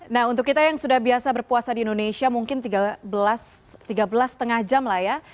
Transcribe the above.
nah untuk kita yang sudah biasa berpuasa di indonesia mungkin tiga belas lima jam lah ya